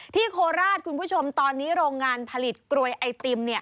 โคราชคุณผู้ชมตอนนี้โรงงานผลิตกรวยไอติม